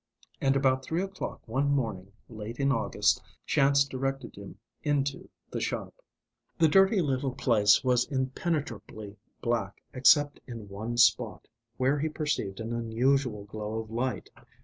And about three o'clock one morning, late in August, chance directed him into the shop. The dirty little place was impenetrably black except in one spot, where he perceived an unusual glow of light.